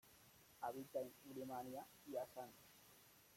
Habita en Birmania y Assam.